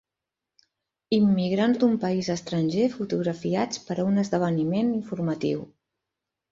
Immigrants d'un país estranger fotografiats per a un esdeveniment informatiu.